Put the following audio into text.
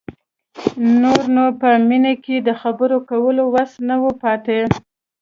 نور نو په مينې کې د خبرو کولو وس نه و پاتې.